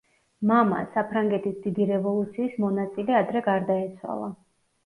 მამა, საფრანგეთის დიდი რევოლუციის მონაწილე ადრე გარდაეცვალა.